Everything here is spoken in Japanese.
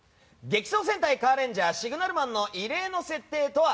「激走戦隊カーレンジャー」シグナルマンの異例の設定とは？